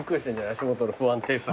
足元の不安定さに。